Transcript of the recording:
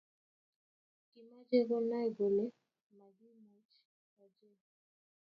Kimache konai kole makimuech ochei